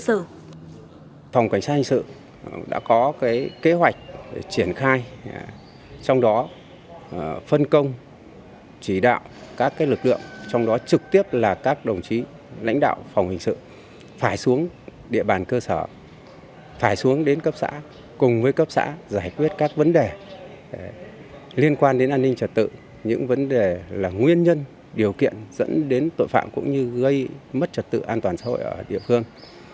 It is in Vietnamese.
trong đó phòng cảnh sát hình sự đã có kế hoạch triển khai trong đó phân công chỉ đạo các lực lượng trong đó trực tiếp là các đồng chí lãnh đạo phòng hình sự phải xuống địa bàn cơ sở phải xuống đến cấp xã cùng với cấp xã giải quyết các vấn đề liên quan đến an ninh trật tự những vấn đề là nguyên nhân điều kiện dẫn đến tội phạm cũng như gây mất trật tự an toàn xã hội ở địa phương